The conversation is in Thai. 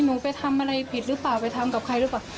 ไปทำอะไรผิดหรือเปล่าไปทำกับใครหรือเปล่า